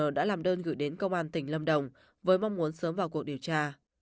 đã làm đơn gửi đến công an tỉnh lâm đồng với mong muốn sớm vào cuộc điều tra